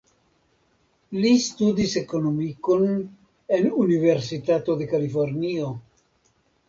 Li studis ekonomikon en Universitato de Kalifornio.